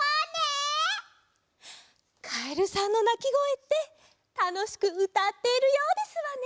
カエルさんのなきごえってたのしくうたっているようですわね。